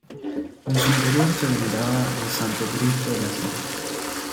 En su interior se veneraba el Santo Cristo de la Salud.